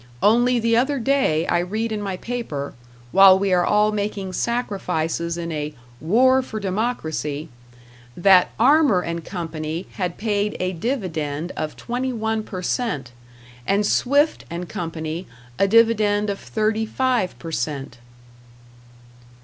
Only the other day I read in my paper while we are all making sacrifices in a "War for Democracy" that Armour and Company had paid a dividend of twenty one per cent, and Swift and Company a dividend of thirty five per cent.